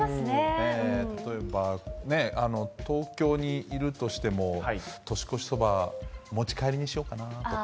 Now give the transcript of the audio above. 例えばね、東京にいるとしても、年越しそば、持ち帰りにしようかなとか。